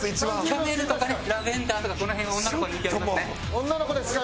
キャメルとかねラベンダーとかこの辺は女の子に人気ありますね。